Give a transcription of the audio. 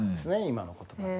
今の言葉で。